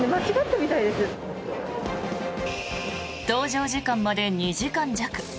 搭乗時間まで２時間弱。